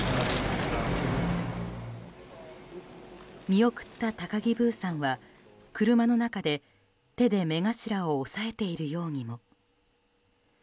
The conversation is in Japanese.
見送った高木ブーさんは車の中で手で目頭を押さえているようにも。